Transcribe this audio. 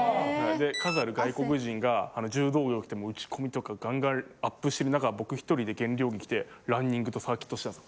数ある外国人が柔道着を着て打ち込みとかガンガンアップしてる中僕１人で減量着着てランニングとサーキットしてたんです。